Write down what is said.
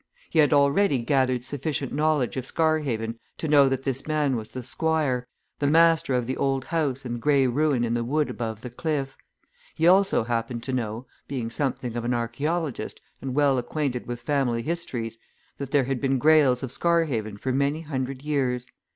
He had already gathered sufficient knowledge of Scarhaven to know that this man was the Squire, the master of the old house and grey ruin in the wood above the cliff; he also happened to know, being something of an archaeologist and well acquainted with family histories, that there had been Greyles of Scarhaven for many hundred years.